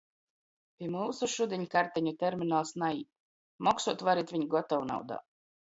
Pi myusu šudiņ karteņu terminals naīt, moksuot varit viņ gotovnaudā.